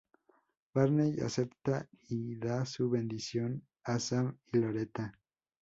Barney acepta y da su bendición a Sam y Loretta.